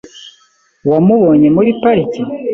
Wamubonye muri parike?